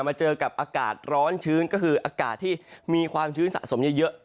มาเจอกับอากาศร้อนชื้นก็คืออากาศที่มีความชื้นสะสมเยอะ